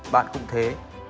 bạn cũng thế